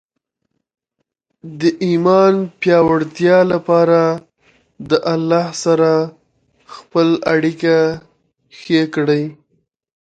د ایمان پیاوړتیا لپاره د الله سره خپل اړیکه ښې کړئ.